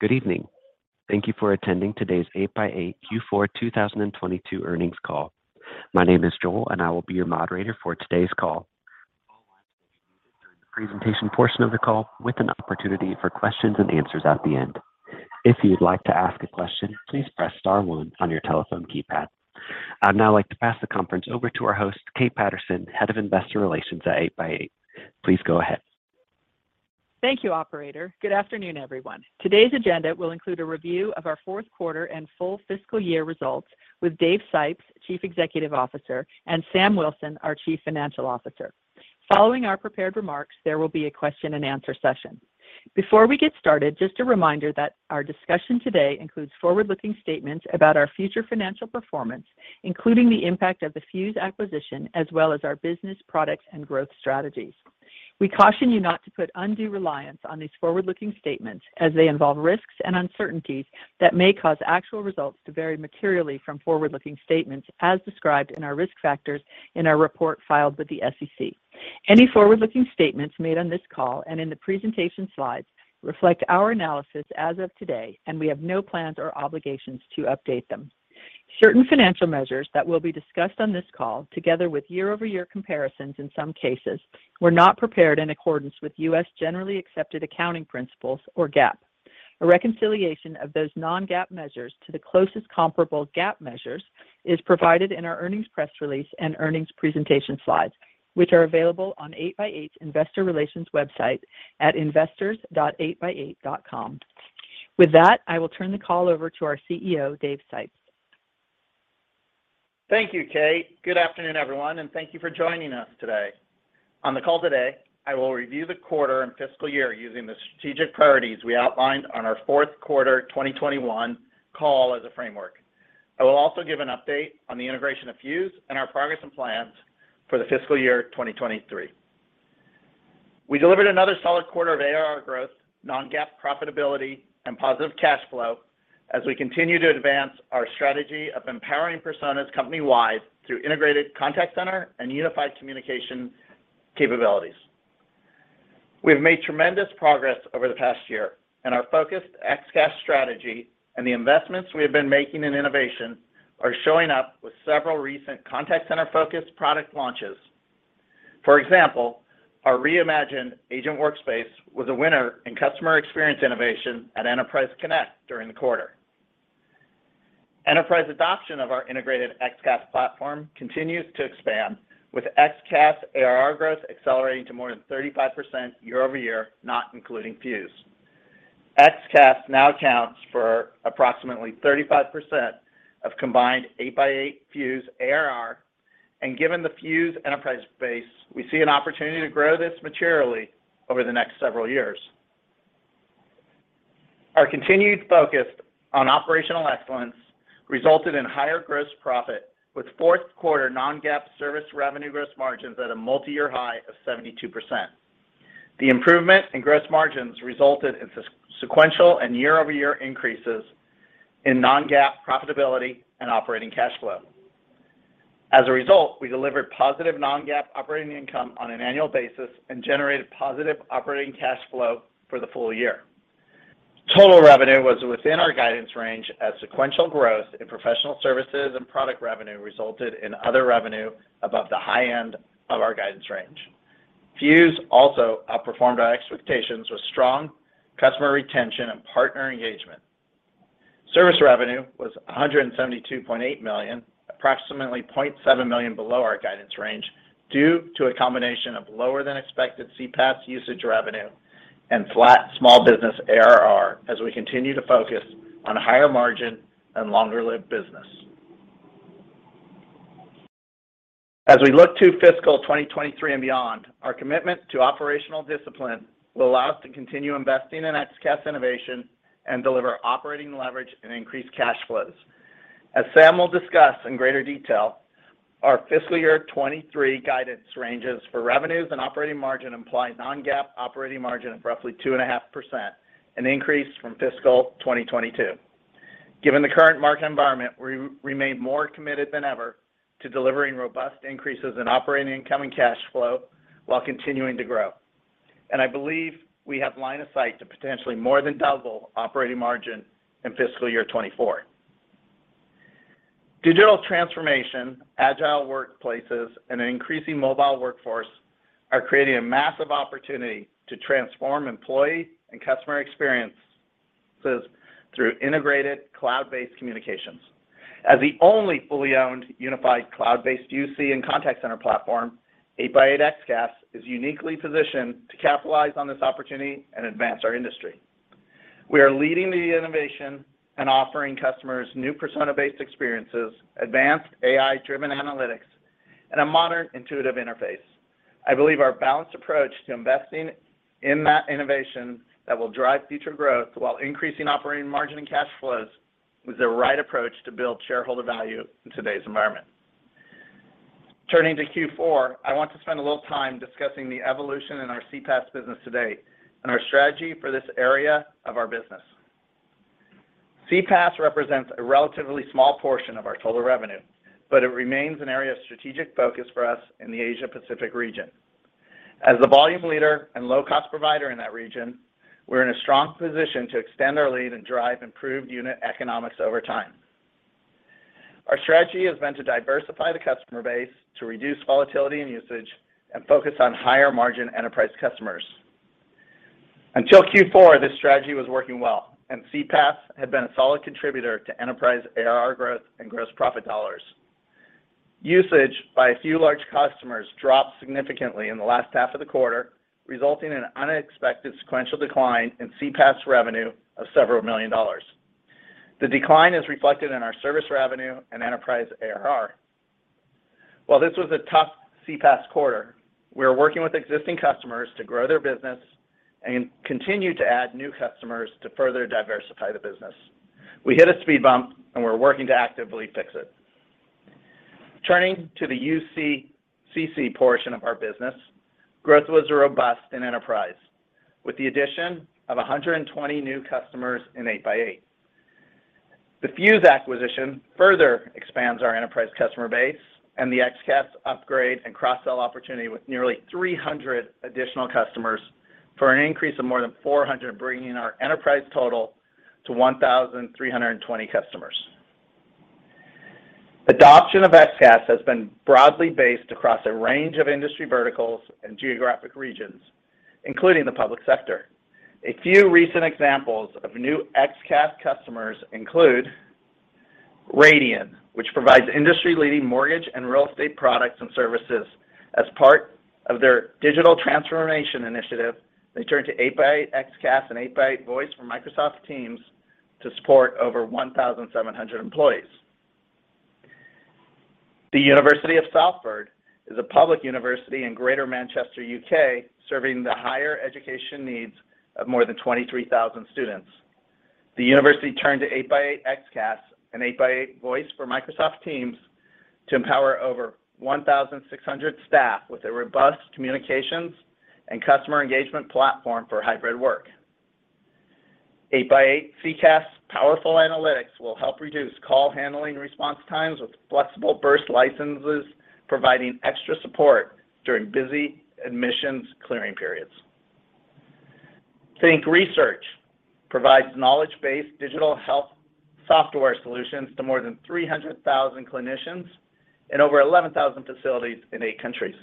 Good evening. Thank you for attending today's 8x8 Q4 2022 Earnings Call. My name is Joel, and I will be your moderator for today's call. All lines will be muted during the presentation portion of the call with an opportunity for questions and answers at the end. If you would like to ask a question, please press star one on your telephone keypad. I'd now like to pass the conference over to our host, Kate Patterson, Head of Investor Relations at 8x8. Please go ahead. Thank you, operator. Good afternoon, everyone. Today's agenda will include a review of our Q4 and full fiscal year results with Dave Sipes, Chief Executive Officer, and Sam Wilson, our Chief Financial Officer. Following our prepared remarks, there will be a question and answer session. Before we get started, just a reminder that our discussion today includes forward-looking statements about our future financial performance, including the impact of the Fuze acquisition, as well as our business products and growth strategies. We caution you not to put undue reliance on these forward-looking statements as they involve risks and uncertainties that may cause actual results to vary materially from forward-looking statements as described in our risk factors in our report filed with the SEC. Any forward-looking statements made on this call and in the presentation slides reflect our analysis as of today, and we have no plans or obligations to update them. Certain financial measures that will be discussed on this call, together with year-over-year comparisons in some cases, were not prepared in accordance with U.S. generally accepted accounting principles, or GAAP. A reconciliation of those non-GAAP measures to the closest comparable GAAP measures is provided in our earnings press release and earnings presentation slides, which are available on 8x8's investor relations website at investors.8x8.com. With that, I will turn the call over to our CEO, Dave Sipes. Thank you, Kate. Good afternoon, everyone, and thank you for joining us today. On the call today, I will review the quarter and fiscal year using the strategic priorities we outlined on our Q4 2021 call as a framework. I will also give an update on the integration of Fuze and our progress and plans for the fiscal year 2023. We delivered another solid quarter of ARR growth, non-GAAP profitability, and positive cash flow as we continue to advance our strategy of empowering Personas company-wide through integrated contact center and unified communication capabilities. We have made tremendous progress over the past year, and our focused XCaaS strategy and the investments we have been making in innovation are showing up with several recent contact center-focused product launches. For example, our reimagined agent workspace was a winner in customer experience innovation at Enterprise Connect during the quarter. Enterprise adoption of our integrated XCaaS platform continues to expand, with XCaaS ARR growth accelerating to more than 35% year-over-year, not including Fuze. XCaaS now accounts for approximately 35% of combined 8x8 Fuze ARR, and given the Fuze enterprise base, we see an opportunity to grow this materially over the next several years. Our continued focus on operational excellence resulted in higher gross profit, with Q4 non-GAAP service revenue gross margins at a multi-year high of 72%. The improvement in gross margins resulted in sequential and year-over-year increases in non-GAAP profitability and operating cash flow. As a result, we delivered positive non-GAAP operating income on an annual basis and generated positive operating cash flow for the full year. Total revenue was within our guidance range as sequential growth in professional services and product revenue resulted in other revenue above the high end of our guidance range. Fuze also outperformed our expectations with strong customer retention and partner engagement. Service revenue was $172.8 million, approximately $0.7 million below our guidance range due to a combination of lower than expected CPaaS usage revenue and flat small business ARR as we continue to focus on higher margin and longer-lived business. As we look to fiscal 2023 and beyond, our commitment to operational discipline will allow us to continue investing in XCaaS innovation and deliver operating leverage and increased cash flows. As Sam will discuss in greater detail, our fiscal year 2023 guidance ranges for revenues and Operating Margin imply non-GAAP Operating Margin of roughly 2.5%, an increase from fiscal 2022. Given the current market environment, we remain more committed than ever to delivering robust increases in operating income and cash flow while continuing to grow. I believe we have line of sight to potentially more than double Operating Margin in fiscal year 2024. Digital transformation, agile workplaces, and an increasing mobile workforce are creating a massive opportunity to transform employee and customer experiences through integrated cloud-based communications. As the only fully owned unified cloud-based UC and contact center platform, 8x8 XCaaS is uniquely positioned to capitalize on this opportunity and advance our industry. We are leading the innovation and offering customers new persona-based experiences, advanced AI-driven analytics, and a modern intuitive interface. I believe our balanced approach to investing in that innovation that will drive future growth while increasing Operating Margin and cash flows was the right approach to build shareholder value in today's environment. Turning to Q4, I want to spend a little time discussing the evolution in our CPaaS business today and our strategy for this area of our business. CPaaS represents a relatively small portion of our total revenue, but it remains an area of strategic focus for us in the Asia-Pacific region. As the volume leader and low-cost provider in that region, we're in a strong position to extend our lead and drive improved unit economics over time. Our strategy has been to diversify the customer base to reduce volatility and usage and focus on higher-margin enterprise customers. Until Q4, this strategy was working well, and CPaaS had been a solid contributor to enterprise ARR growth and gross profit dollars. Usage by a few large customers dropped significantly in the last half of the quarter, resulting in an unexpected sequential decline in CPaaS revenue of several million dollars. The decline is reflected in our service revenue and enterprise ARR. While this was a tough CPaaS quarter, we are working with existing customers to grow their business and continue to add new customers to further diversify the business. We hit a speed bump, and we're working to actively fix it. Turning to the UC/CC portion of our business, growth was robust in enterprise with the addition of 120 new customers in 8x8. The Fuze acquisition further expands our enterprise customer base and the XCaaS upgrade and cross-sell opportunity with nearly 300 additional customers for an increase of more than 400, bringing our enterprise total to 1,320 customers. Adoption of XCaaS has been broadly based across a range of industry verticals and geographic regions, including the public sector. A few recent examples of new XCaaS customers include Radian, which provides industry-leading mortgage and real estate products and services as part of their digital transformation initiative. They turned to 8x8 XCaaS and 8x8 Voice for Microsoft Teams to support over 1,700 employees. The University of Salford is a public university in Greater Manchester, U.K, serving the higher education needs of more than 23,000 students. The university turned to 8x8 XCaaS and 8x8 Voice for Microsoft Teams to empower over 1,600 staff with a robust communications and customer engagement platform for hybrid work. 8x8 CCaaS powerful analytics will help reduce call handling response times with flexible burst licenses, providing extra support during busy admissions clearing periods. Think Research provides knowledge-based digital health software solutions to more than 300,000 clinicians in over 11,000 facilities in eight countries.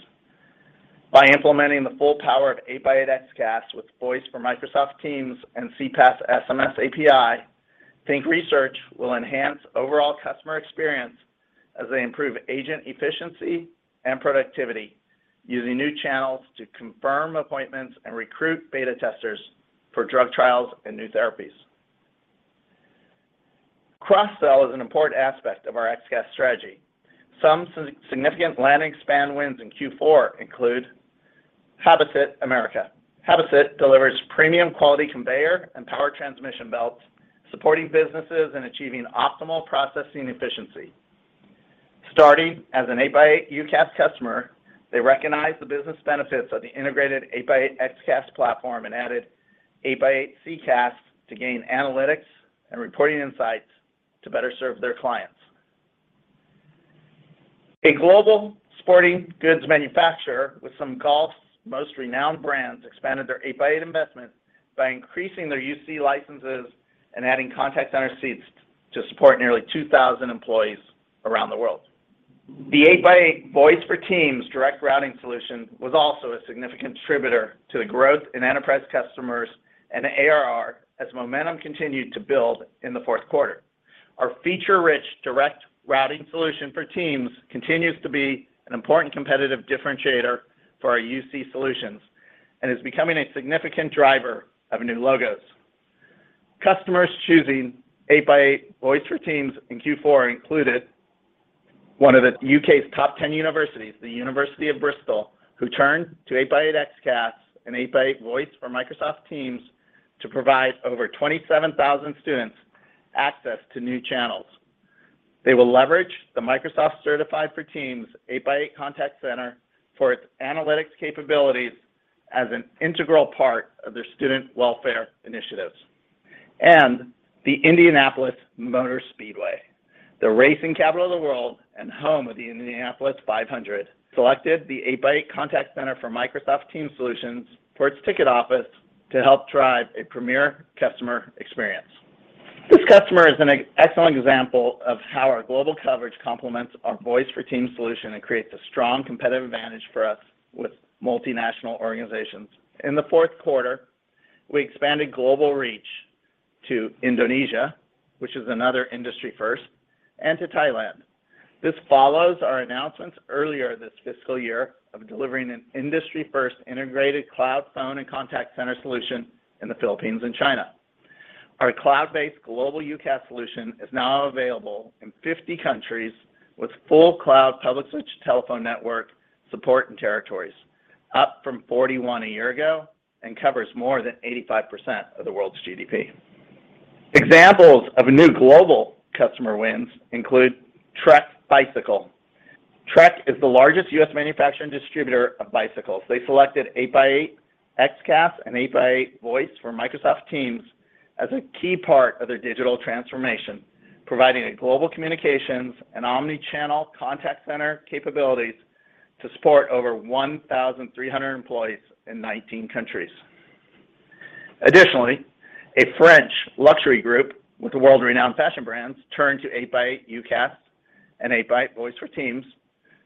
By implementing the full power of 8x8 XCaaS with Voice for Microsoft Teams and CPaaS SMS API, Think Research will enhance overall customer experience as they improve agent efficiency and productivity using new channels to confirm appointments and recruit beta testers for drug trials and new therapies. Cross-sell is an important aspect of our XCaaS strategy. Some significant land-and-expand wins in Q4 include Habasit America. Habasit delivers premium quality conveyor and power transmission belts, supporting businesses in achieving optimal processing efficiency. Starting as an 8x8 UCaaS customer, they recognized the business benefits of the integrated 8x8 XCaaS platform and added 8x8 CCaaS to gain analytics and reporting insights to better serve their clients. A global sporting goods manufacturer with some of golf's most renowned brands expanded their 8x8 investment by increasing their UC licenses and adding contact center seats to support nearly 2,000 employees around the world. The 8x8 Voice for Microsoft Teams direct routing solution was also a significant contributor to the growth in enterprise customers and ARR as momentum continued to build in the Q4. Our feature-rich direct routing solution for Teams continues to be an important competitive differentiator for our UC solutions and is becoming a significant driver of new logos. Customers choosing 8x8 Voice for Microsoft Teams in Q4 included one of the U.K.'s top ten universities, the University of Bristol, who turned to 8x8 XCaaS and 8x8 Voice for Microsoft Teams to provide over 27,000 students access to new channels. They will leverage the Microsoft Teams-certified 8x8 Contact Center for its analytics capabilities as an integral part of their student welfare initiatives. The Indianapolis Motor Speedway, the racing capital of the world and home of the Indianapolis 500, selected the 8x8 Contact Center for Microsoft Teams for its ticket office to help drive a premier customer experience. This customer is an excellent example of how our global coverage complements our Voice for Teams solution and creates a strong competitive advantage for us with multinational organizations. In the Q4, we expanded global reach to Indonesia, which is another industry first, and to Thailand. This follows our announcements earlier this fiscal year of delivering an industry-first integrated cloud phone and contact center solution in the Philippines and China. Our cloud-based global UCaaS solution is now available in 50 countries with full cloud public switched telephone network support and territories, up from 41 a year ago and covers more than 85% of the world's GDP. Examples of new global customer wins include Trek Bicycle. Trek is the largest U.S. manufacturer and distributor of bicycles. They selected 8x8 XCaaS and 8x8 Voice for Microsoft Teams as a key part of their digital transformation, providing global communications and omnichannel contact center capabilities to support over 1,300 employees in 19 countries. Additionally, a French luxury group with world-renowned fashion brands turned to 8x8 UCaaS and 8x8 Voice for Teams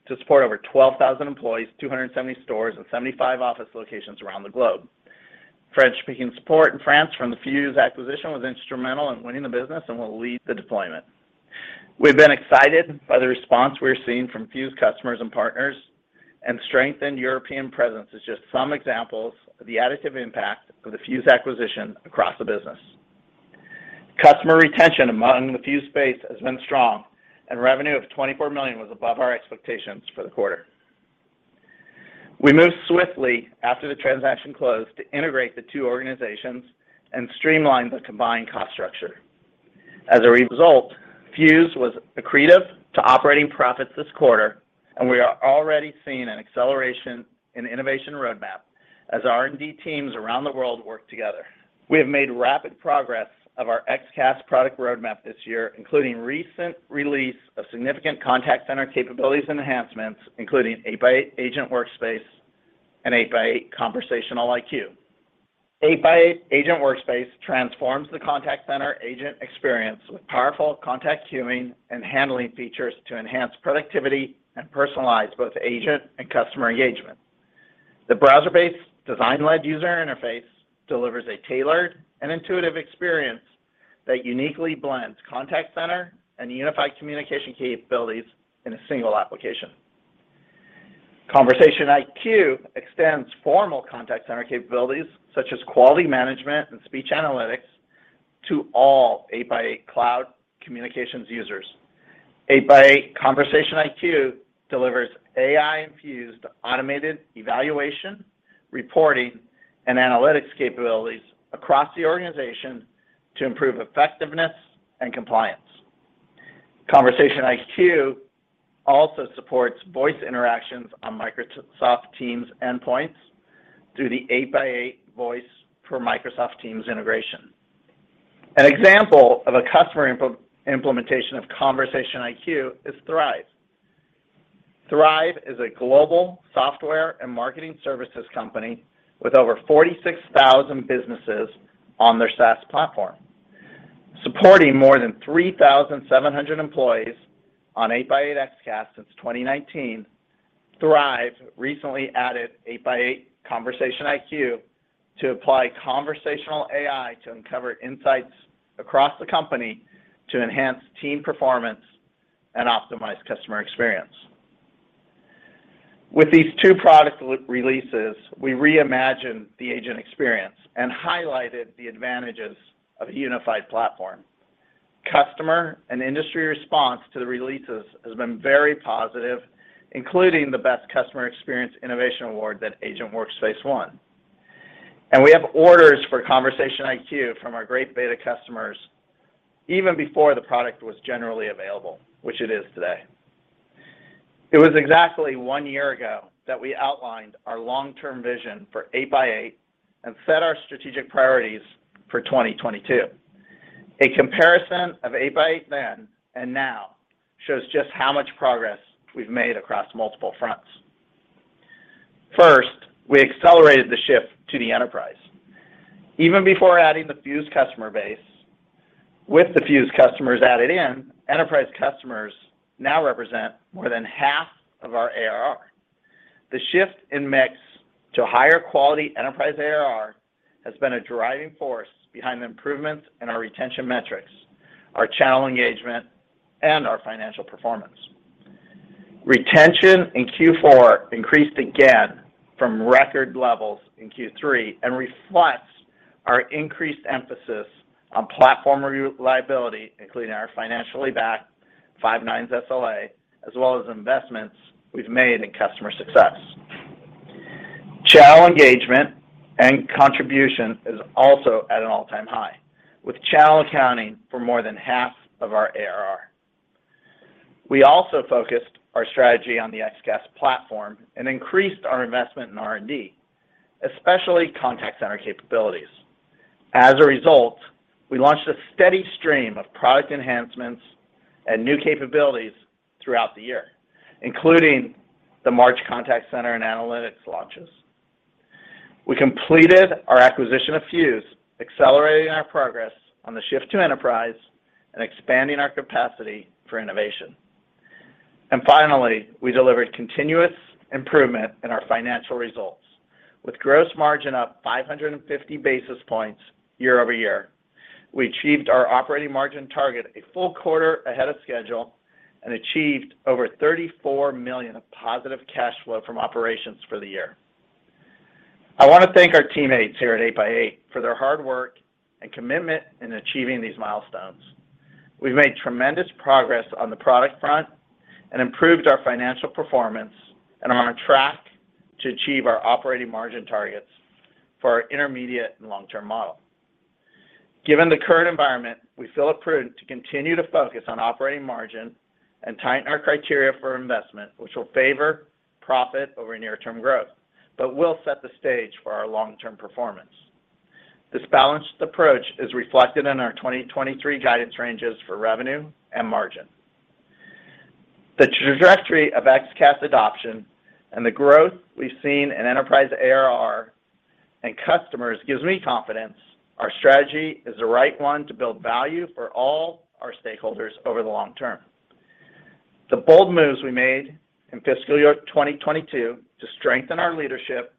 to support over 12,000 employees, 270 stores, and 75 office locations around the globe. French-speaking support in France from the Fuze acquisition was instrumental in winning the business and will lead the deployment. We've been excited by the response we're seeing from Fuze customers and partners, and strengthened European presence is just some examples of the additive impact of the Fuze acquisition across the business. Customer retention among the Fuze space has been strong, and revenue of $24 million was above our expectations for the quarter. We moved swiftly after the transaction closed to integrate the two organizations and streamline the combined cost structure. As a result, Fuze was accretive to operating profits this quarter, and we are already seeing an acceleration in innovation roadmap as R&D teams around the world work together. We have made rapid progress of our XCaaS product roadmap this year, including recent release of significant contact center capabilities and enhancements, including 8x8 Agent Workspace and 8x8 Conversation IQ. 8x8 Agent Workspace transforms the contact center agent experience with powerful contact queuing and handling features to enhance productivity and personalize both agent and customer engagement. The browser-based design-led user interface delivers a tailored and intuitive experience that uniquely blends contact center and unified communication capabilities in a single application. Conversation IQ extends formal contact center capabilities, such as quality management and speech analytics, to all 8x8 cloud communications users. 8x8 Conversation IQ delivers AI-infused automated evaluation, reporting, and analytics capabilities across the organization to improve effectiveness and compliance. Conversation IQ also supports voice interactions on Microsoft Teams endpoints through the 8x8 Voice for Microsoft Teams integration. An example of a customer implementation of Conversation IQ is Thryv. Thryv is a global software and marketing services company with over 46,000 businesses on their SaaS platform. Supporting more than 3,700 employees on 8x8 XCaaS since 2019, Thryv recently added 8x8 Conversation IQ to apply conversational AI to uncover insights across the company to enhance team performance and optimize customer experience. With these two product releases, we reimagined the agent experience and highlighted the advantages of a unified platform. Customer and industry response to the releases has been very positive, including the Best Customer Experience Innovation Award that Agent Workspace won. We have orders for Conversation IQ from our great beta customers even before the product was generally available, which it is today. It was exactly one year ago that we outlined our long-term vision for 8x8 and set our strategic priorities for 2022. A comparison of 8x8 then and now shows just how much progress we've made across multiple fronts. First, we accelerated the shift to the enterprise. Even before adding the Fuze customer base, with the Fuze customers added in, enterprise customers now represent more than half of our ARR. The shift in mix to higher quality enterprise ARR has been a driving force behind the improvements in our retention metrics, our channel engagement, and our financial performance. Retention in Q4 increased again from record levels in Q3 and reflects our increased emphasis on platform reliability, including our financially backed five nines SLA, as well as investments we've made in customer success. Channel engagement and contribution is also at an all-time high, with channel accounting for more than half of our ARR. We also focused our strategy on the XCaaS platform and increased our investment in R&D, especially contact center capabilities. As a result, we launched a steady stream of product enhancements and new capabilities throughout the year, including the March contact center and analytics launches. We completed our acquisition of Fuze, accelerating our progress on the shift to enterprise and expanding our capacity for innovation. Finally, we delivered continuous improvement in our financial results. With gross margin up 550 basis points year-over-year, we achieved our Operating Margin target a full quarter ahead of schedule and achieved over $34 million of positive cash flow from operations for the year. I want to thank our teammates here at 8x8 for their hard work and commitment in achieving these milestones. We've made tremendous progress on the product front and improved our financial performance, and are on track to achieve our Operating Margin targets for our intermediate and long-term model. Given the current environment, we feel it prudent to continue to focus on Operating Margin and tighten our criteria for investment, which will favor profit over near-term growth, but will set the stage for our long-term performance. This balanced approach is reflected in our 2023 guidance ranges for revenue and margin. The trajectory of XCaaS adoption and the growth we've seen in enterprise ARR and customers gives me confidence our strategy is the right one to build value for all our stakeholders over the long term. The bold moves we made in fiscal year 2022 to strengthen our leadership,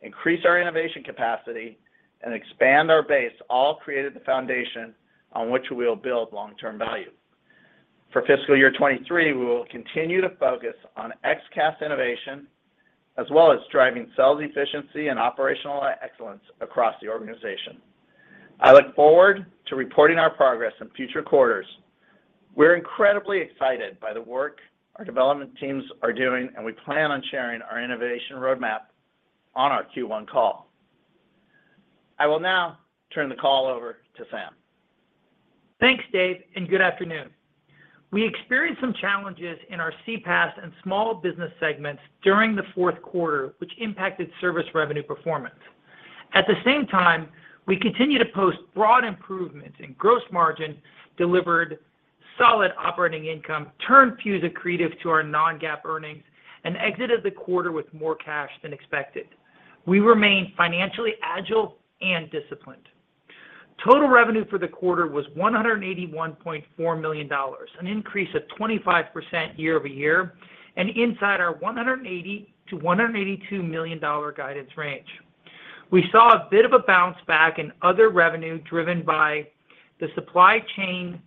increase our innovation capacity, and expand our base all created the foundation on which we will build long-term value. For fiscal year 2023, we will continue to focus on XCaaS innovation as well as driving sales efficiency and operational excellence across the organization. I look forward to reporting our progress in future quarters. We're incredibly excited by the work our development teams are doing, and we plan on sharing our innovation roadmap on our Q1 call. I will now turn the call over to Sam. Thanks, Dave, and good afternoon. We experienced some challenges in our CPaaS and small business segments during the Q4, which impacted service revenue performance. At the same time, we continue to post broad improvements in gross margin, delivered solid operating income, turned Fuze accretive to our non-GAAP earnings, and exited the quarter with more cash than expected. We remain financially agile and disciplined. Total revenue for the quarter was $181.4 million, an increase of 25% year-over-year and inside our $180 million-$182 million guidance range. We saw a bit of a bounce back in other revenue driven by the supply chain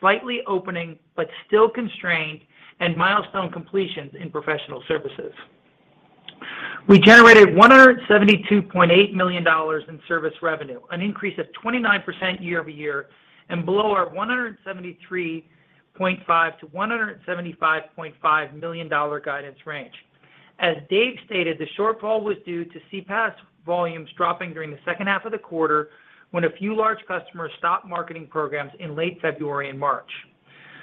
slightly opening but still constrained and milestone completions in professional services. We generated $172.8 million in service revenue, an increase of 29% year-over-year and below our $173.5 million-$175.5 million guidance range. As Dave stated, the shortfall was due to CPaaS volumes dropping during the second half of the quarter when a few large customers stopped marketing programs in late February and March.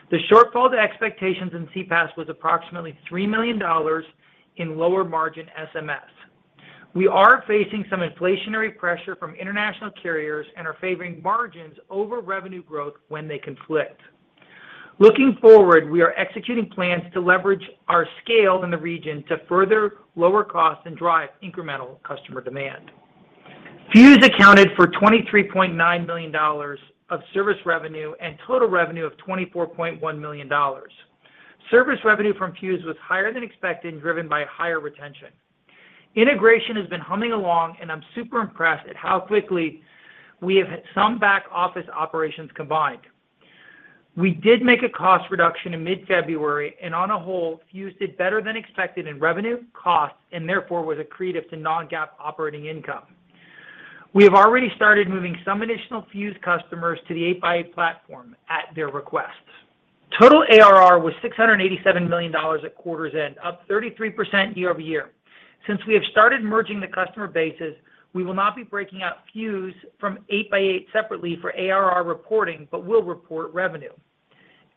The shortfall to expectations in CPaaS was approximately $3 million in lower margin SMS. We are facing some inflationary pressure from international carriers and are favoring margins over revenue growth when they conflict. Looking forward, we are executing plans to leverage our scale in the region to further lower costs and drive incremental customer demand. Fuze accounted for $23.9 million of service revenue and total revenue of $24.1 million. Service revenue from Fuze was higher than expected, driven by higher retention. Integration has been humming along, and I'm super impressed at how quickly we have some back-office operations combined. We did make a cost reduction in mid-February, and on the whole, Fuze did better than expected in revenue, costs, and therefore was accretive to non-GAAP operating income. We have already started moving some additional Fuze customers to the 8x8 platform at their request. Total ARR was $687 million at quarter's end, up 33% year-over-year. Since we have started merging the customer bases, we will not be breaking out Fuze from 8x8 separately for ARR reporting, but will report revenue.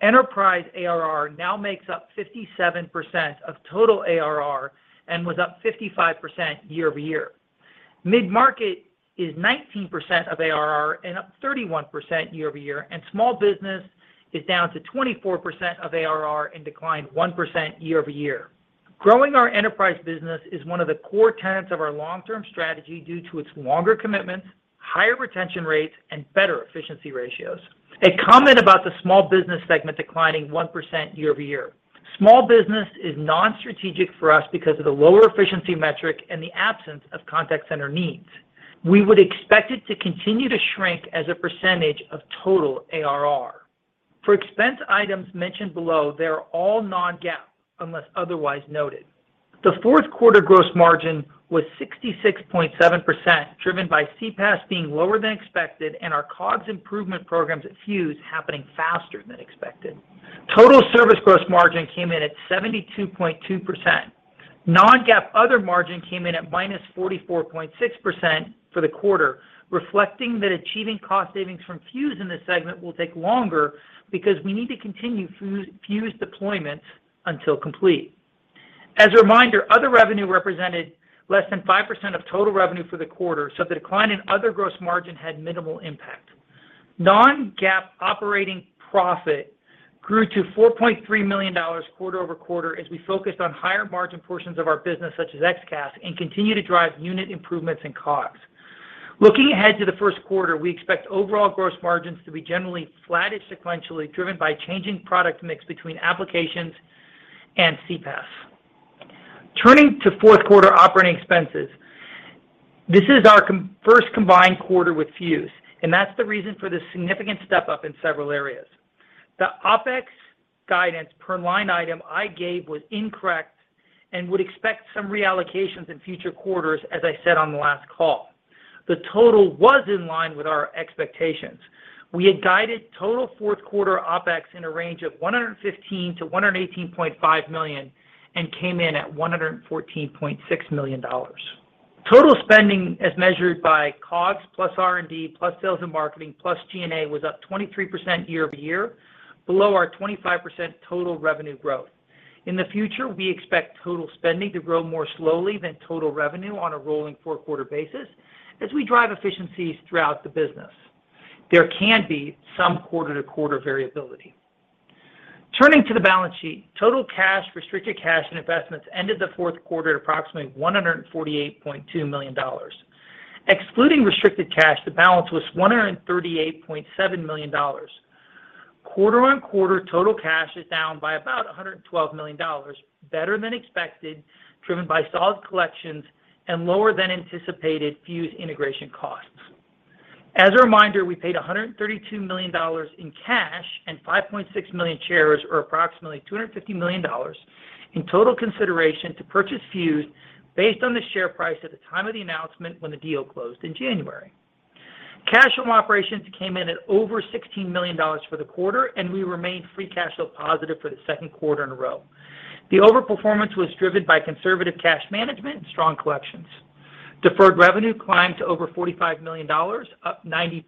Enterprise ARR now makes up 57% of total ARR and was up 55% year-over-year. Mid-market is 19% of ARR and up 31% year-over-year, and small business is down to 24% of ARR and declined 1% year-over-year. Growing our enterprise business is one of the core tenets of our long-term strategy due to its longer commitments, higher retention rates, and better efficiency ratios. A comment about the small business segment declining 1% year-over-year. Small business is non-strategic for us because of the lower efficiency metric and the absence of contact center needs. We would expect it to continue to shrink as a percentage of total ARR. For expense items mentioned below, they are all non-GAAP unless otherwise noted. The Q4 gross margin was 66.7%, driven by CPaaS being lower than expected and our COGS improvement programs at Fuze happening faster than expected. Total service gross margin came in at 72.2%. Non-GAAP other margin came in at -44.6% for the quarter, reflecting that achieving cost savings from Fuze in this segment will take longer because we need to continue Fuze deployments until complete. As a reminder, other revenue represented less than 5% of total revenue for the quarter, so the decline in other gross margin had minimal impact. Non-GAAP operating profit grew to $4.3 million quarter-over-quarter as we focused on higher margin portions of our business, such as XCaaS, and continue to drive unit improvements in COGS. Looking ahead to the Q1, we expect overall gross margins to be generally flattish sequentially, driven by changing product mix between applications and CPaaS. Turning to Q4 operating expenses. This is our first combined quarter with Fuze, and that's the reason for the significant step up in several areas. The OpEx guidance per line item I gave was incorrect and would expect some reallocations in future quarters, as I said on the last call. The total was in line with our expectations. We had guided total Q4 OpEx in a range of $115 million-$118.5 million and came in at $114.6 million. Total spending as measured by COGS plus R&D plus sales and marketing plus G&A was up 23% year-over-year below our 25% total revenue growth. In the future, we expect total spending to grow more slowly than total revenue on a rolling Q4 basis as we drive efficiencies throughout the business. There can be some quarter-to-quarter variability. Turning to the balance sheet, total cash, restricted cash, and investments ended the Q4 at approximately $148.2 million. Excluding restricted cash, the balance was $138.7 million. Quarter-on-quarter, total cash is down by about $112 million, better than expected, driven by solid collections and lower than anticipated Fuze integration costs. As a reminder, we paid $132 million in cash and 5.6 million shares, or approximately $250 million in total consideration to purchase Fuze based on the share price at the time of the announcement when the deal closed in January. Cash from operations came in at over $16 million for the quarter, and we remained free cash flow positive for the Q2 in a row. The over-performance was driven by conservative cash management and strong collections. Deferred revenue climbed to over $45 million, up 90%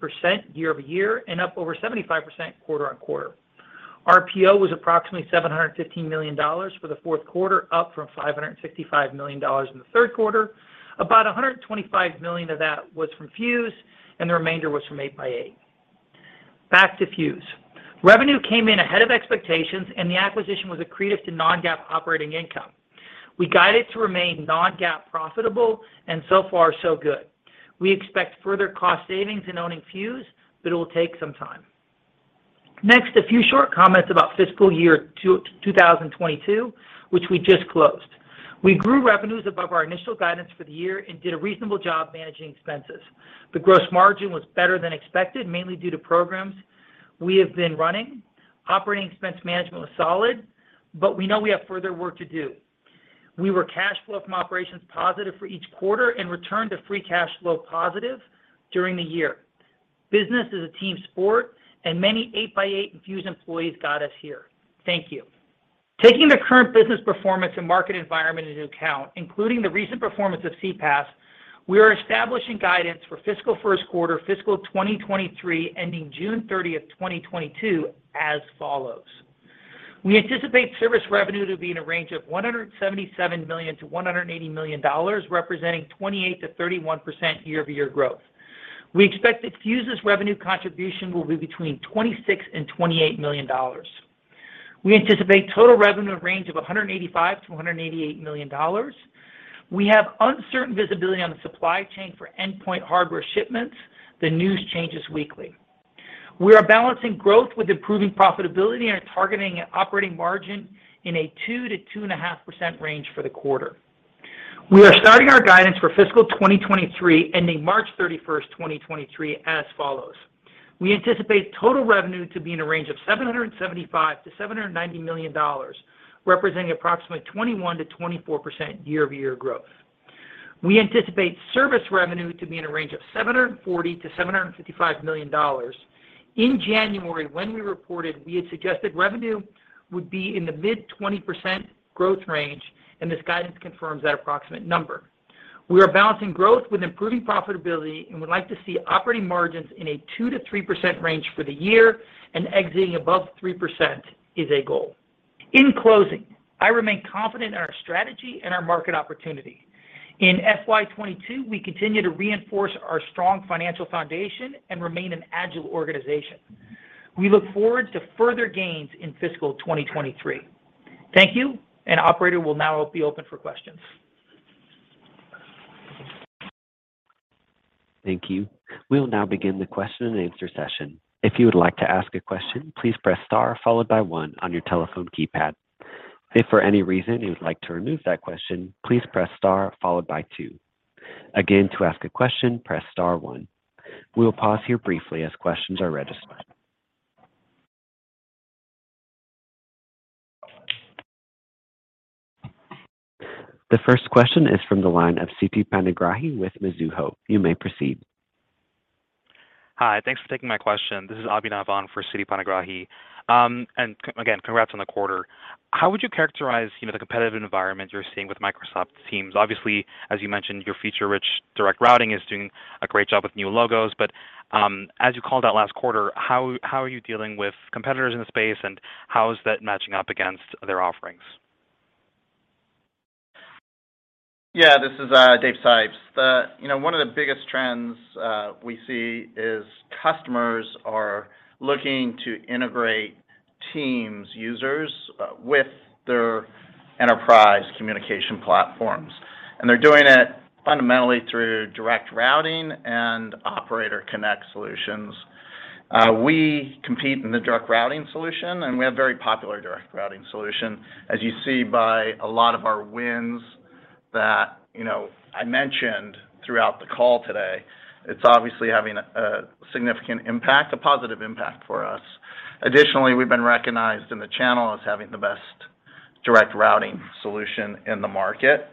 year-over-year and up over 75% quarter-on-quarter. RPO was approximately $715 million for the Q4, up from $565 million in the Q3. About $125 million of that was from Fuze, and the remainder was from 8x8. Back to Fuze. Revenue came in ahead of expectations, and the acquisition was accretive to non-GAAP operating income. We guided to remain non-GAAP profitable, and so far, so good. We expect further cost savings in owning Fuze, but it'll take some time. Next, a few short comments about fiscal year 2022, which we just closed. We grew revenues above our initial guidance for the year and did a reasonable job managing expenses. The gross margin was better than expected, mainly due to programs we have been running. Operating expense management was solid, but we know we have further work to do. We were cash flow from operations positive for each quarter and returned to free cash flow positive during the year. Business is a team sport and many 8x8 and Fuze employees got us here. Thank you. Taking the current business performance and market environment into account, including the recent performance of CPaaS, we are establishing guidance for fiscal Q1 2023 ending June 30, 2022 as follows. We anticipate service revenue to be in a range of $177 million-$180 million, representing 28%-31% year-over-year growth. We expect that Fuze's revenue contribution will be between $26 million and $28 million. We anticipate total revenue range of $185 million-$188 million. We have uncertain visibility on the supply chain for endpoint hardware shipments. The news changes weekly. We are balancing growth with improving profitability and are targeting Operating Margin in a 2%-2.5% range for the quarter. We are starting our guidance for fiscal 2023 ending March 31st, 2023 as follows. We anticipate total revenue to be in a range of $775 million-$790 million, representing approximately 21%-24% year-over-year growth. We anticipate service revenue to be in a range of $740 million-$755 million. In January, when we reported, we had suggested revenue would be in the mid-20% growth range, and this guidance confirms that approximate number. We are balancing growth with improving profitability and would like to see Operating Margin in a 2%-3% range for the year and exiting above 3% is a goal. In closing, I remain confident in our strategy and our market opportunity. In FY 2022, we continue to reinforce our strong financial foundation and remain an agile organization. We look forward to further gains in fiscal 2023. Thank you, and operator will now be open for questions. Thank you. We'll now begin the question and answer session. If you would like to ask a question, please press star followed by one on your telephone keypad. If for any reason you would like to remove that question, please press star followed by two. Again, to ask a question, press star one. We'll pause here briefly as questions are registered. The first question is from the line of Siti Panigrahi with Mizuho. You may proceed. Hi. Thanks for taking my question. This is Abhinavan for Siti Panigrahi. And again, congrats on the quarter. How would you characterize, you know, the competitive environment you're seeing with Microsoft Teams? Obviously, as you mentioned, your feature-rich direct routing is doing a great job with new logos. As you called out last quarter, how are you dealing with competitors in the space, and how is that matching up against their offerings? Yeah, this is Dave Sipes. You know, one of the biggest trends we see is customers are looking to integrate Teams users with their enterprise communication platforms, and they're doing it fundamentally through direct routing and Operator Connect solutions. We compete in the direct routing solution, and we have very popular direct routing solution. As you see by a lot of our wins that, you know, I mentioned throughout the call today, it's obviously having a significant impact, a positive impact for us. Additionally, we've been recognized in the channel as having the best direct routing solution in the market.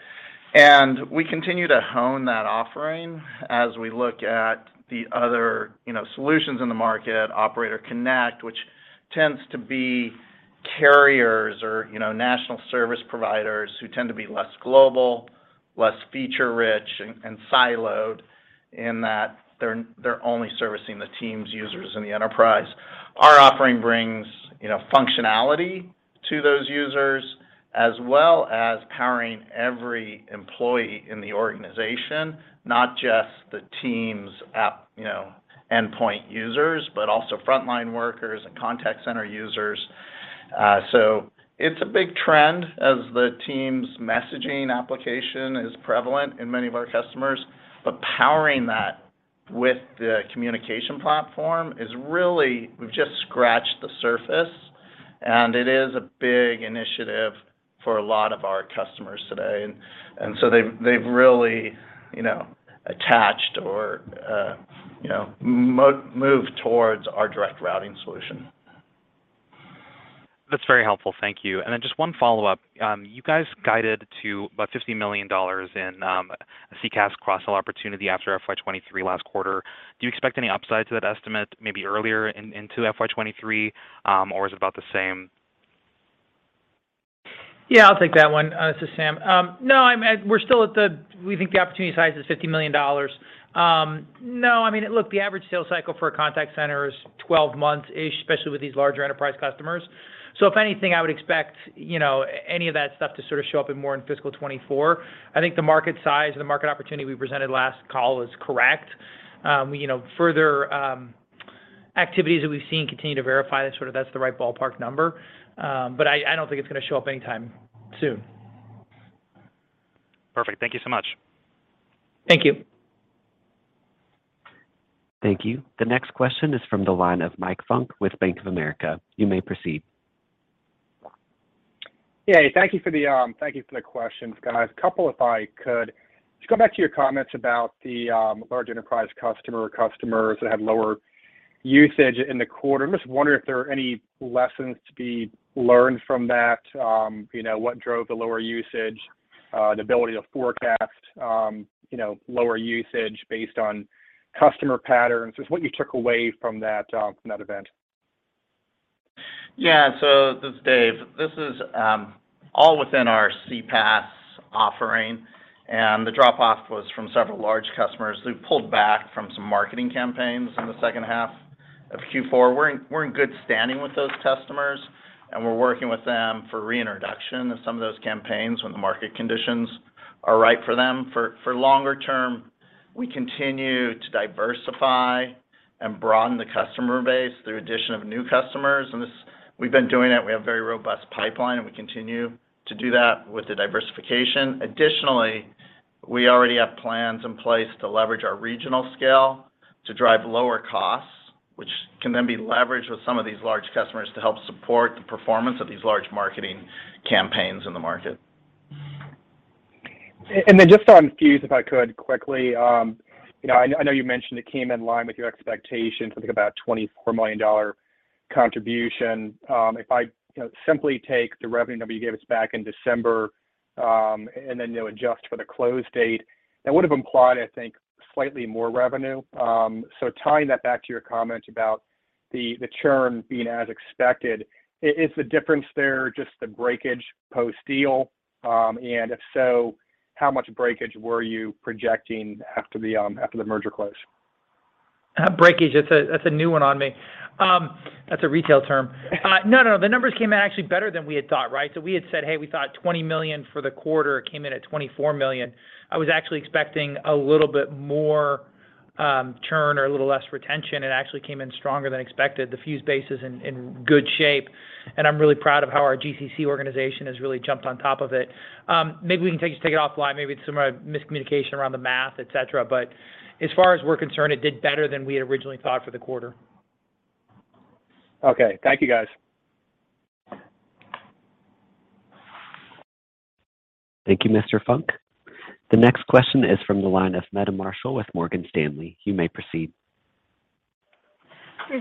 We continue to hone that offering as we look at the other, you know, solutions in the market, Operator Connect, which tends to be carriers or, you know, national service providers who tend to be less global, less feature-rich and siloed in that they're only servicing the Teams users in the enterprise. Our offering brings, you know, functionality to those users as well as powering every employee in the organization, not just the Teams app, you know, endpoint users, but also frontline workers and contact center users. It's a big trend as the Teams messaging application is prevalent in many of our customers. Powering that with the communication platform is really. We've just scratched the surface, and it is a big initiative for a lot of our customers today. They've really, you know, attached or, you know, moved towards our direct routing solution. That's very helpful. Thank you. Just one follow-up. You guys guided to about $50 million in XCaaS cross-sell opportunity after FY 2023 last quarter. Do you expect any upside to that estimate maybe earlier in to FY 2023, or is it about the same? Yeah, I'll take that one. This is Sam. No, we think the opportunity size is $50 million. No, I mean, look, the average sales cycle for a contact center is 12 months-ish, especially with these larger enterprise customers. If anything, I would expect, you know, any of that stuff to sort of show up in more in fiscal 2024. I think the market size and the market opportunity we presented last call was correct. You know, further, activities that we've seen continue to verify that sort of that's the right ballpark number. I don't think it's gonna show up anytime soon. Perfect. Thank you so much. Thank you. Thank you. The next question is from the line of Mike Funk with Bank of America. You may proceed. Yeah, thank you for the questions, guys. A couple, if I could. Just go back to your comments about the large enterprise customer or customers that had lower usage in the quarter. I'm just wondering if there are any lessons to be learned from that. You know, what drove the lower usage, the ability to forecast, you know, lower usage based on customer patterns. Just what you took away from that, from that event. Yeah. This is Dave. This is all within our CPaaS offering, and the drop-off was from several large customers who pulled back from some marketing campaigns in the second half of Q4. We're in good standing with those customers, and we're working with them for reintroduction of some of those campaigns when the market conditions are right for them. For longer term, we continue to diversify and broaden the customer base through addition of new customers, and this. We've been doing that. We have a very robust pipeline, and we continue to do that with the diversification. Additionally, we already have plans in place to leverage our regional scale to drive lower costs, which can then be leveraged with some of these large customers to help support the performance of these large marketing campaigns in the market. Just on Fuze, if I could quickly. You know, I know you mentioned it came in line with your expectations, I think about $24 million contribution. If I you know simply take the revenue number you gave us back in December, and then, you know, adjust for the close date, that would have implied, I think, slightly more revenue. So tying that back to your comment about the churn being as expected, is the difference there just the breakage post-deal? And if so, how much breakage were you projecting after the merger close? Breakage, that's a new one on me. That's a retail term. No. The numbers came out actually better than we had thought, right? We had said, hey, we thought $20 million for the quarter. It came in at $24 million. I was actually expecting a little bit more churn or a little less retention. It actually came in stronger than expected. The Fuze base is in good shape, and I'm really proud of how our GCC organization has really jumped on top of it. Maybe we can take it offline. Maybe it's some miscommunication around the math, et cetera. As far as we're concerned, it did better than we had originally thought for the quarter. Okay. Thank you, guys. Thank you, Mr. Funk. The next question is from the line of Meta Marshall with Morgan Stanley. You may proceed.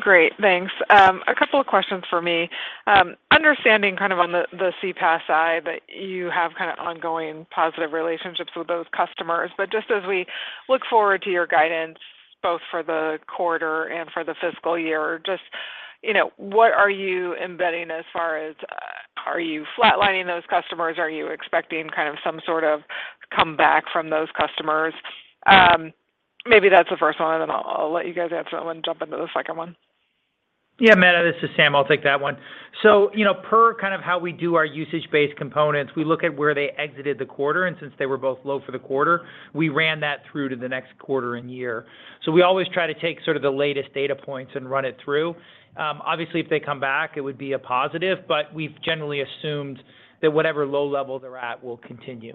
Great. Thanks. A couple of questions for me. Understanding kind of on the CPaaS side that you have kind of ongoing positive relationships with those customers, but just as we look forward to your guidance both for the quarter and for the fiscal year, just, you know, what are you embedding as far as, are you flatlining those customers? Are you expecting kind of some sort of comeback from those customers? Maybe that's the first one, and then I'll let you guys answer that one, jump into the second one. Yeah. Meta, this is Sam. I'll take that one. You know, per kind of how we do our usage-based components, we look at where they exited the quarter, and since they were both low for the quarter, we ran that through to the next quarter and year. We always try to take sort of the latest data points and run it through. Obviously, if they come back, it would be a positive, but we've generally assumed that whatever low level they're at will continue.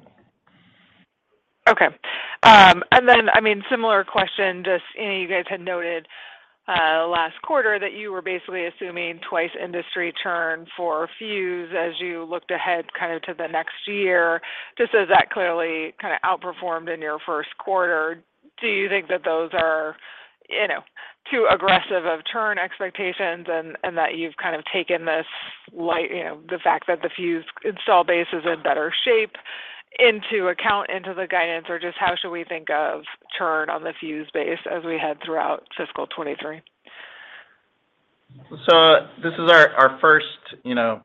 I mean, similar question, just, you know, you guys had noted last quarter that you were basically assuming twice industry churn for Fuze as you looked ahead kind of to the next year. Just as that clearly kind of outperformed in your Q1, do you think that those are, you know, too aggressive of churn expectations and that you've kind of taken this like, you know, the fact that the Fuze installed base is in better shape into account, into the guidance? Or just how should we think of churn on the Fuze base as we head throughout fiscal 2023? This is our first, you know,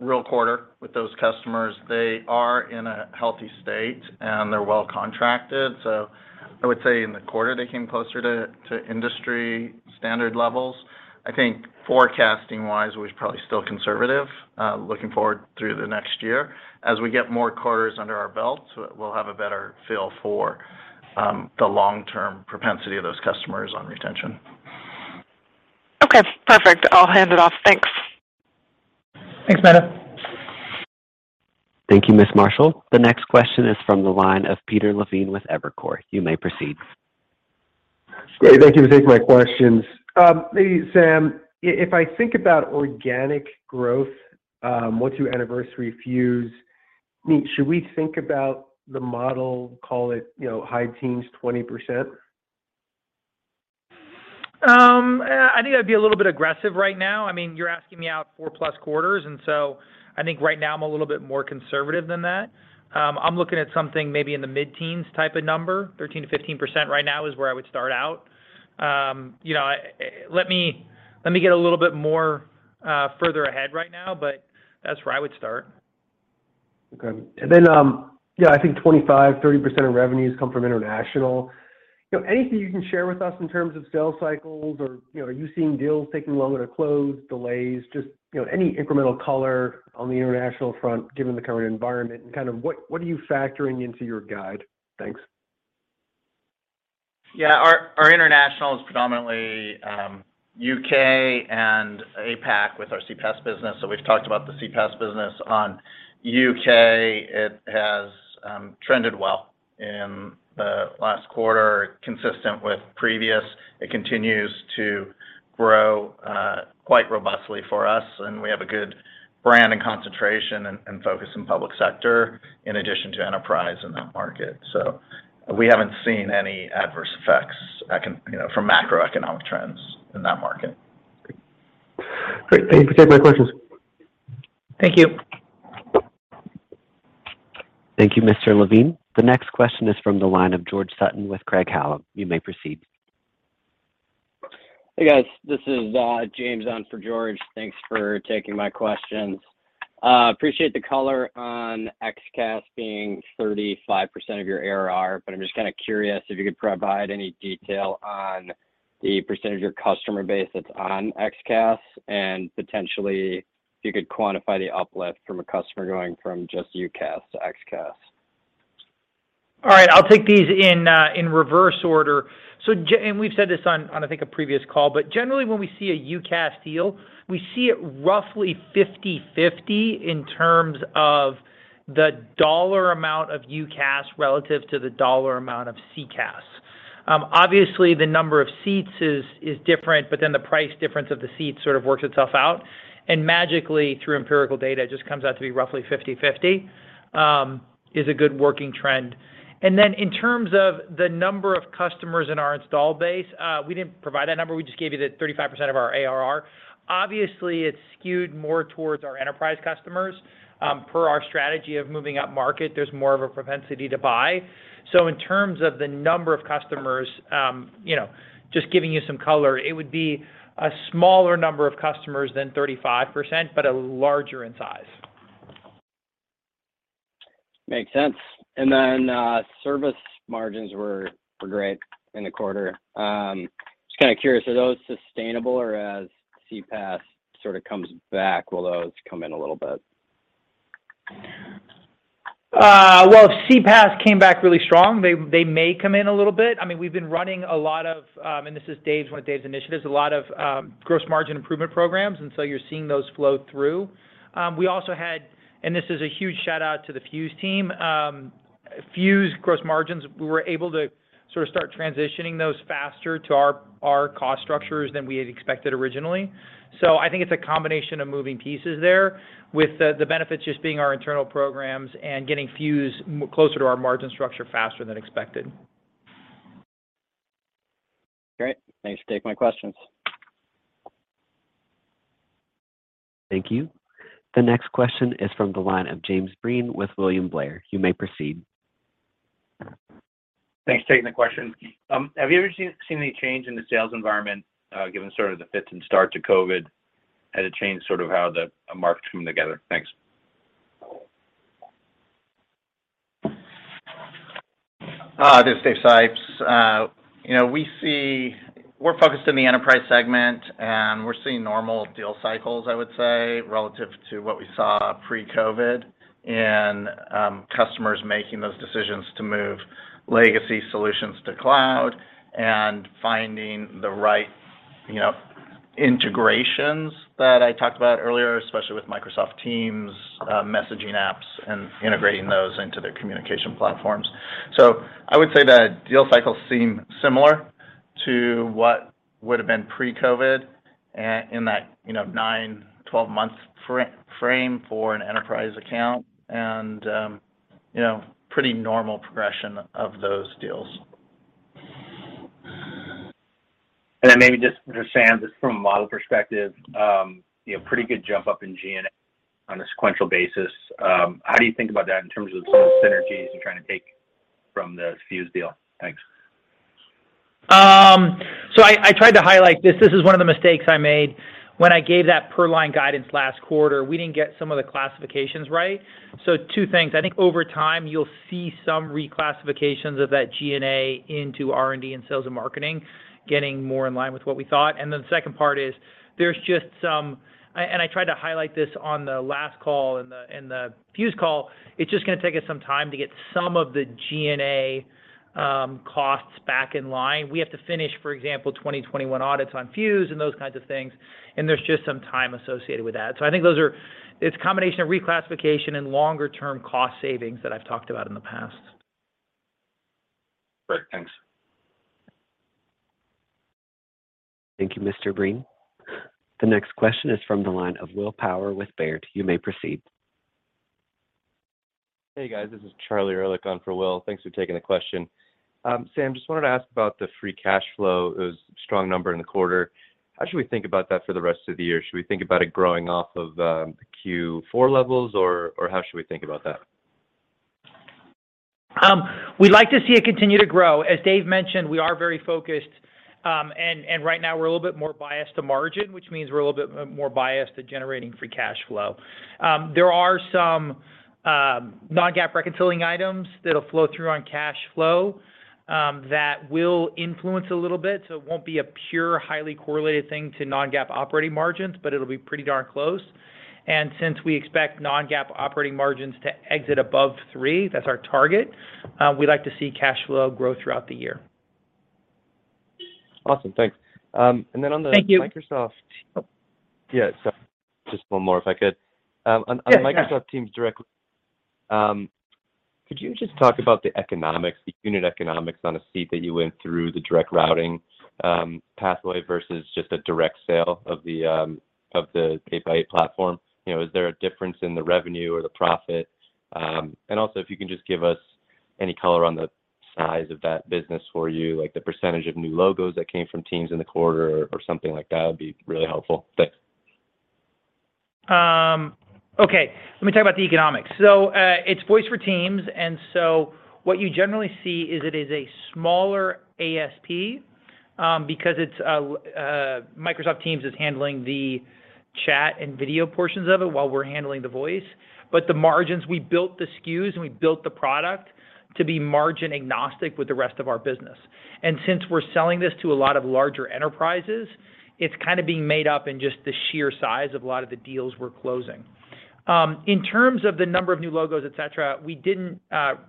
real quarter with those customers. They are in a healthy state, and they're well contracted. I would say in the quarter, they came closer to industry standard levels. I think forecasting-wise, we're probably still conservative, looking forward through the next year. As we get more quarters under our belt, we'll have a better feel for the long-term propensity of those customers on retention. Okay, perfect. I'll hand it off. Thanks. Thanks, Meta. Thank you, Ms. Marshall. The next question is from the line of Peter Levine with Evercore. You may proceed. Great. Thank you for taking my questions. Maybe Sam, if I think about organic growth, once you anniversary Fuze, I mean, should we think about the model, call it, you know, high teens, 20%? I think that'd be a little bit aggressive right now. I mean, you're asking me out +4 quarters, and so I think right now I'm a little bit more conservative than that. I'm looking at something maybe in the mid-teens type of number. 13%-15% right now is where I would start out. You know, let me get a little bit more further ahead right now, but that's where I would start. I think 25%-30% of revenues come from international. You know, anything you can share with us in terms of sales cycles or, you know, are you seeing deals taking longer to close, delays, just, you know, any incremental color on the international front given the current environment, and kind of what are you factoring into your guide? Thanks. Our international is predominantly U.K and APAC with our CPaaS business. We've talked about the CPaaS business. In U.K, it has trended well in the last quarter, consistent with previous. It continues to grow quite robustly for us, and we have a good brand and concentration and focus in public sector in addition to enterprise in that market. We haven't seen any adverse effects, you know, from macroeconomic trends in that market. Great. Thank you for taking my questions. Thank you. Thank you, Mr. Levine. The next question is from the line of George Sutton with Craig-Hallum. You may proceed. Hey, guys. This is James on for George. Thanks for taking my questions. Appreciate the color on XCaaS being 35% of your ARR, but I'm just kinda curious if you could provide any detail on the percentage of your customer base that's on XCaaS and potentially if you could quantify the uplift from a customer going from just UCaaS to XCaaS. All right. I'll take these in reverse order. We've said this on a previous call, but generally when we see a UCaaS deal, we see it roughly 50/50 in terms of the dollar amount of UCaaS relative to the dollar amount of CCaaS. Obviously the number of seats is different, but then the price difference of the seats sort of works itself out. Magically, through empirical data, it just comes out to be roughly 50/50 is a good working trend. Then in terms of the number of customers in our install base, we didn't provide that number, we just gave you the 35% of our ARR. Obviously, it's skewed more towards our enterprise customers. Per our strategy of moving upmarket, there's more of a propensity to buy. In terms of the number of customers, you know, just giving you some color, it would be a smaller number of customers than 35%, but larger in size. Makes sense. Service margins were great in the quarter. Just kinda curious, are those sustainable or as CPaaS sorta comes back, will those come in a little bit? Well, if CPaaS came back really strong, they may come in a little bit. I mean, we've been running a lot of. This is Dave's, one of Dave's initiatives, a lot of gross margin improvement programs, and so you're seeing those flow through. We also had. This is a huge shout-out to the Fuze team. Fuze gross margins, we were able to sort of start transitioning those faster to our cost structures than we had expected originally. I think it's a combination of moving pieces there, with the benefits just being our internal programs and getting Fuze closer to our margin structure faster than expected. Great. Thanks for taking my questions. Thank you. The next question is from the line of James Breen with William Blair. You may proceed. Thanks for taking the question. Have you ever seen any change in the sales environment, given sort of the fits and starts of COVID? Has it changed sort of how the markets come together? Thanks. This is Dave Sipes. You know, we're focused in the enterprise segment, and we're seeing normal deal cycles, I would say, relative to what we saw pre-COVID. Customers making those decisions to move legacy solutions to cloud and finding the right, you know, integrations that I talked about earlier, especially with Microsoft Teams, messaging apps, and integrating those into their communication platforms. I would say that deal cycles seem similar to what would've been pre-COVID in that, you know, 9-12-month frame for an enterprise account. You know, pretty normal progression of those deals. Maybe just Sam, from a model perspective, you know, pretty good jump up in G&A on a sequential basis. How do you think about that in terms of synergies you're trying to take from the Fuze deal? Thanks. I tried to highlight this. This is one of the mistakes I made when I gave that per line guidance last quarter. We didn't get some of the classifications right. Two things. I think over time you'll see some reclassifications of that G&A into R&D and sales and marketing getting more in line with what we thought. The second part is there's just some. I tried to highlight this on the last call, in the Fuze call. It's just gonna take us some time to get some of the G&A costs back in line. We have to finish, for example, 2021 audits on Fuze and those kinds of things, and there's just some time associated with that. I think those are. It's a combination of reclassification and longer term cost savings that I've talked about in the past. Great. Thanks. Thank you, Mr. Breen. The next question is from the line of Will Power with Baird. You may proceed. Hey, guys. This is Charlie Erlikh on for Will. Thanks for taking the question. Sam, just wanted to ask about the free cash flow. It was a strong number in the quarter. How should we think about that for the rest of the year? Should we think about it growing off of Q4 levels or how should we think about that? We'd like to see it continue to grow. As Dave mentioned, we are very focused, and right now we're a little bit more biased to margin, which means we're a little bit more biased to generating free cash flow. There are some non-GAAP reconciling items that'll flow through on cash flow that will influence a little bit. So it won't be a pure highly correlated thing to non-GAAP Operating Margin, but it'll be pretty darn close. Since we expect non-GAAP Operating Margins to exit above 3%, that's our target, we like to see cash flow grow throughout the year. Awesome. Thanks. On the- Thank you. Microsoft. Yeah. Sorry, just one more if I could. Yeah. On Microsoft Teams Direct Routing, could you just talk about the economics, the unit economics on a seat that you went through the direct routing pathway versus just a direct sale of the 8x8 platform? You know, is there a difference in the revenue or the profit? Also if you can just give us any color on the size of that business for you, like the percentage of new logos that came from Teams in the quarter or something like that would be really helpful. Thanks. Okay. Let me talk about the economics. It's voice for Teams, and so what you generally see is it is a smaller ASP, because Microsoft Teams is handling the chat and video portions of it while we're handling the voice. The margins, we built the SKUs and we built the product to be margin agnostic with the rest of our business. Since we're selling this to a lot of larger enterprises, it's kind of being made up in just the sheer size of a lot of the deals we're closing. In terms of the number of new logos, et cetera, we didn't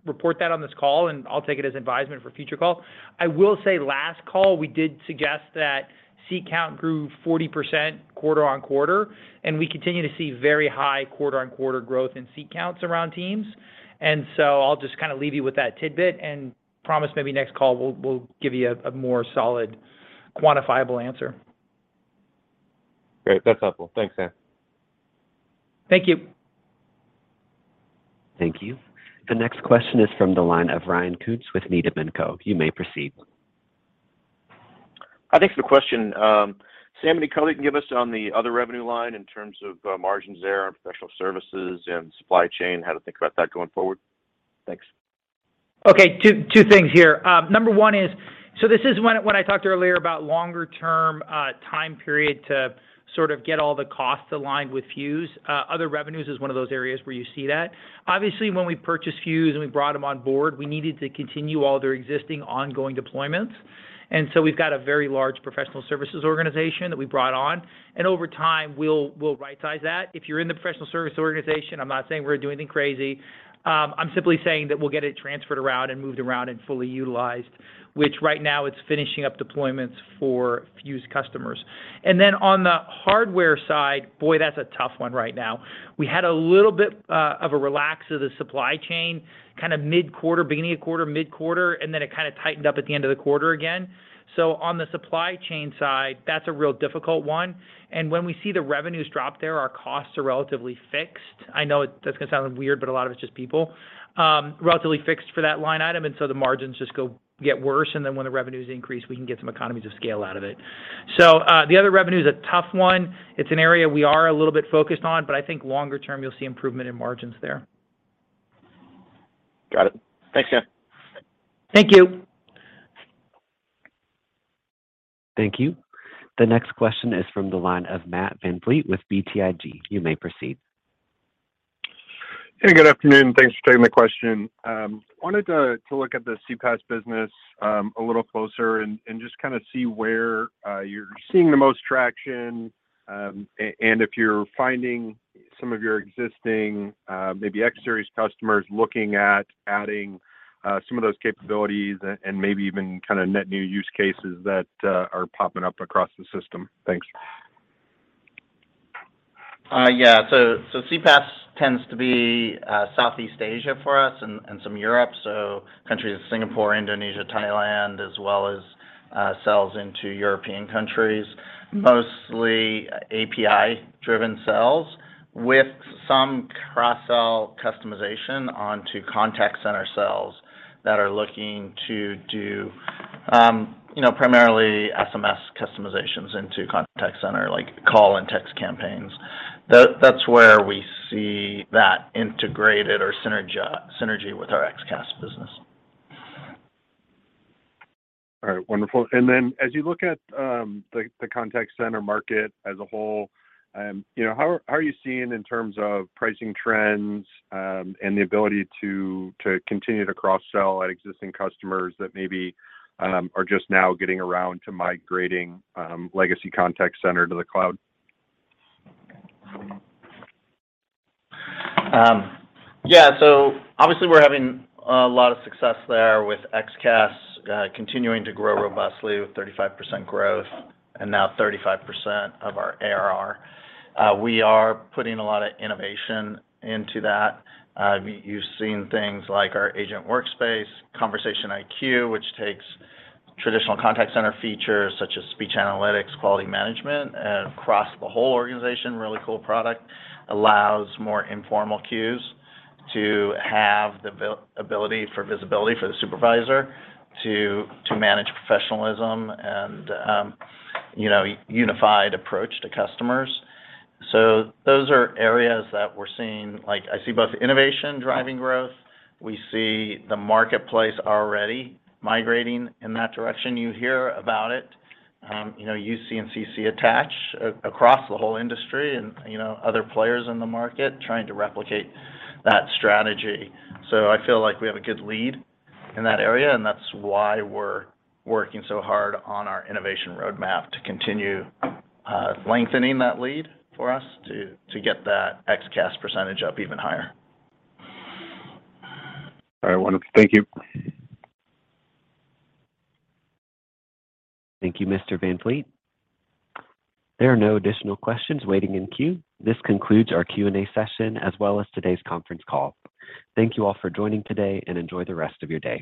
report that on this call, and I'll take it as advisement for future call. I will say last call we did suggest that seat count grew 40% quarter-on-quarter, and we continue to see very high quarter-on-quarter growth in seat counts around Teams. I'll just kind of leave you with that tidbit and promise maybe next call we'll give you a more solid quantifiable answer. Great. That's helpful. Thanks, Sam. Thank you. Thank you. The next question is from the line of Ryan Koontz with Needham & Company. You may proceed. Thanks for the question. Sam, any color you can give us on the other revenue line in terms of, margins there on professional services and supply chain? How to think about that going forward? Thanks. Okay. Two things here. Number one is, so this is when I talked earlier about longer term time period to sort of get all the costs aligned with Fuze. Other revenues is one of those areas where you see that. Obviously, when we purchased Fuze and we brought them on board, we needed to continue all their existing ongoing deployments. We've got a very large professional services organization that we brought on, and over time we'll rightsize that. If you're in the professional service organization, I'm not saying we're gonna do anything crazy. I'm simply saying that we'll get it transferred around and moved around and fully utilized, which right now it's finishing up deployments for Fuze customers. Then on the hardware side, boy, that's a tough one right now. We had a little bit of a relax of the supply chain kind of mid-quarter, beginning of quarter, mid-quarter, and then it kind of tightened up at the end of the quarter again. On the supply chain side, that's a real difficult one. When we see the revenues drop there, our costs are relatively fixed. I know it's gonna sound weird, but a lot of it's just people. Relatively fixed for that line item, and so the margins just go get worse, and then when the revenues increase, we can get some economies of scale out of it. The other revenue is a tough one. It's an area we are a little bit focused on, but I think longer term you'll see improvement in margins there. Got it. Thanks, Sam. Thank you. Thank you. The next question is from the line of Matt VanVliet with BTIG. You may proceed. Hey, good afternoon, and thanks for taking the question. Wanted to look at the CPaaS business a little closer and just kind of see where you're seeing the most traction, and if you're finding some of your existing maybe X Series customers looking at adding some of those capabilities and maybe even kind of net new use cases that are popping up across the system. Thanks. CPaaS tends to be Southeast Asia for us and some Europe, so countries Singapore, Indonesia, Thailand, as well as. Sells into European countries, mostly API-driven sells with some cross-sell customization onto contact center sells that are looking to do, you know, primarily SMS customizations into contact center, like call and text campaigns. That's where we see that integrated or synergy with our XCaaS business. All right. Wonderful. As you look at the contact center market as a whole, you know, how are you seeing in terms of pricing trends, and the ability to continue to cross-sell to existing customers that maybe are just now getting around to migrating legacy contact center to the cloud? Yeah. Obviously we're having a lot of success there with XCaaS, continuing to grow robustly with 35% growth and now 35% of our ARR. We are putting a lot of innovation into that. You've seen things like our Agent Workspace, Conversation IQ, which takes traditional contact center features such as speech analytics, quality management, across the whole organization, really cool product. Allows more informal queues to have the ability for visibility for the supervisor to manage professionalism and, you know, unified approach to customers. Those are areas that we're seeing. Like, I see both innovation driving growth. We see the marketplace already migrating in that direction. You hear about it, you know, UC and CC attach across the whole industry and, you know, other players in the market trying to replicate that strategy. I feel like we have a good lead in that area, and that's why we're working so hard on our innovation roadmap to continue lengthening that lead for us to get that XCaaS percentage up even higher. All right. Wonderful. Thank you. Thank you, Mr. VanVliet. There are no additional questions waiting in queue. This concludes our Q&A session, as well as today's conference call. Thank you all for joining today, and enjoy the rest of your day.